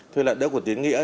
thuê lại đất của tín nghĩa